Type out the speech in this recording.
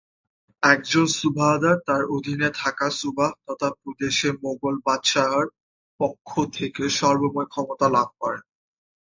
একজন সুবাহদার তার অধীনে থাকা সুবাহ তথা প্রদেশে মোগল বাদশাহর পক্ষ থেকে সর্বময় ক্ষমতা লাভ করেন।